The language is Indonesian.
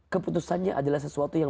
keputusannya adalah sesuatu yang